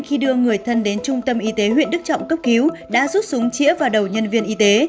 khi đưa người thân đến trung tâm y tế huyện đức trọng cấp cứu đã rút súng chĩa vào đầu nhân viên y tế